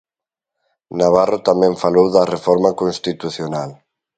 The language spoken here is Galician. Navarro tamén falou da reforma constitucional.